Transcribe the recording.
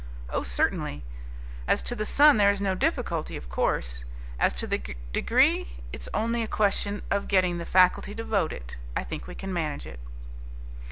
"Oh, certainly. As to the son, there is no difficulty, of course; as to the degree, it's only a question of getting the faculty to vote it. I think we can manage it."